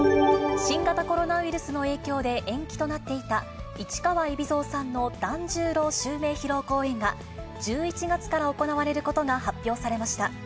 新型コロナウイルスの影響で延期となっていた、市川海老蔵さんの團十郎襲名披露公演が、１１月から行われることが発表されました。